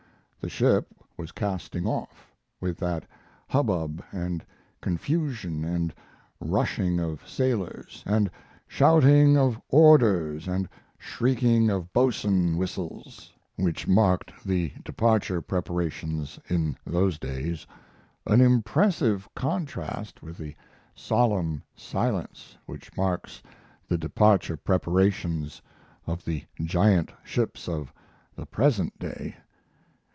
The ship was casting off, with that hubbub and confusion and rushing of sailors, and shouting of orders and shrieking of boatswain whistles, which marked the departure preparations in those days an impressive contrast with the solemn silence which marks the departure preparations of the giant ships of the present day.